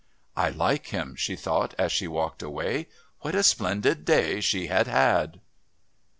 "I like him," she thought as she walked away. What a splendid day she had had!